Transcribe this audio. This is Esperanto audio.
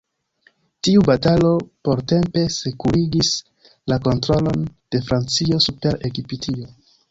Tiu batalo portempe sekurigis la kontrolon de Francio super Egiptio.